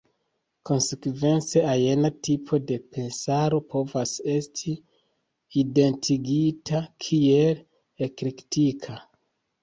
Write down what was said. Konsekvence, ajna tipo de pensaro povas esti identigita kiel eklektika.